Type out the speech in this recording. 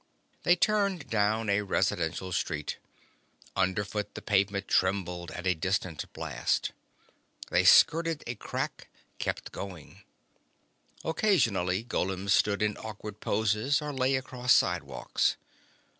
They turned down a residential street. Underfoot the pavement trembled at a distant blast. They skirted a crack, kept going. Occasional golems stood in awkward poses or lay across sidewalks.